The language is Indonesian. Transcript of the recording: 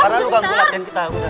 karena lo ganggu latihan kita udah